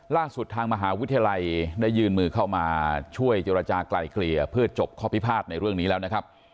ทางมหาวิทยาลัยได้ยืนมือเข้ามาช่วยเจรจากลายเกลี่ยเพื่อจบข้อพิพาทในเรื่องนี้แล้วนะครับ